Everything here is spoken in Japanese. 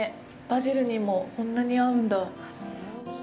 バジルにもこんなに合うんだ？